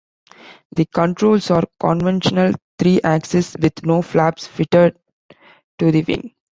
The controls are conventional three-axis, with no flaps fitted to the wing.